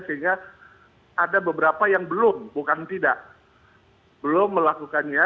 sehingga ada beberapa yang belum bukan tidak belum melakukannya